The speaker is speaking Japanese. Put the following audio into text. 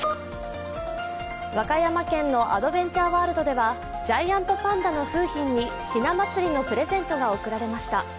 和歌山県のアドベンチャーワールドではジャイアントパンダの楓浜にひな祭りのプレゼントが贈られました。